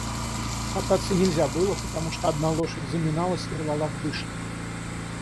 Кататься нельзя было, потому что одна лошадь заминалась и рвала в дышле.